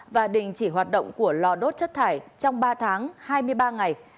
và đình chỉ hoạt động của lò đốt chất thải trong ba tháng hai mươi ba ngày